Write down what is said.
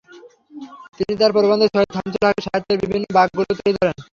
তিনি তাঁর প্রবন্ধে সৈয়দ শামসুল হকের সাহিত্যের বিভিন্ন বাঁকগুলো তুলে ধরেন।